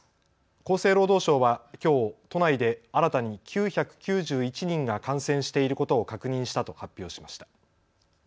厚生労働省はきょう都内で新たに９９１人が感染していることを確認したと発表しました。